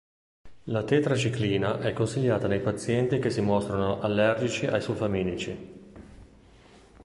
La tetraciclina è consigliata nei pazienti che si mostrano allergici ai sulfamidici.